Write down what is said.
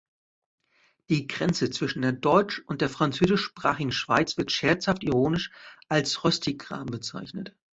Die Grenze zwischen der deutsch- und der französischsprachigen Schweiz wird scherzhaft-ironisch als Röstigraben bezeichnet.